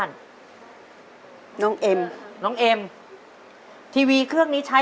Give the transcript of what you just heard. ขอบคุณค่ะ